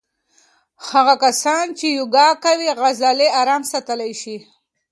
هغه کسان چې یوګا کوي عضلې آرامې ساتلی شي.